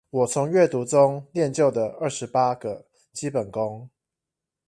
我從閱讀中練就的二十八個基本功